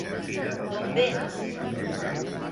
D'on vens?